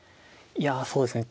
いやそうですね。